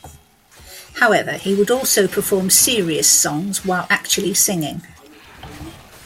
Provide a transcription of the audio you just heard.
However he would also perform serious songs while actually singing.